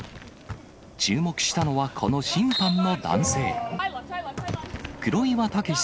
注目したのは、この審判の男性。